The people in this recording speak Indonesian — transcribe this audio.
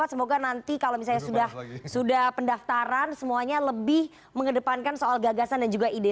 semoga nanti kalau misalnya sudah pendaftaran semuanya lebih mengedepankan soal gagasan dan juga ide